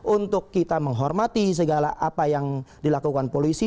untuk kita menghormati segala apa yang dilakukan polisi